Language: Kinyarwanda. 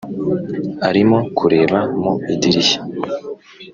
arimo kureba mu idirishya,